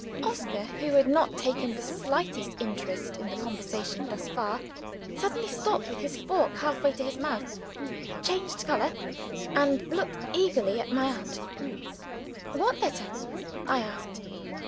Oscar who had not taken the slightest interest in the conversation thus far suddenly stopped, with his fork half way to his mouth; changed color; and looked eagerly at my aunt. "What letter?" I asked.